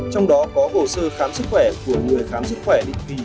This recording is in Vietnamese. trong đó có hồ sơ khám sức khỏe của người khám sức khỏe định kỳ